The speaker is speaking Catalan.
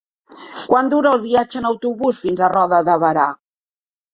Quant dura el viatge en autobús fins a Roda de Berà?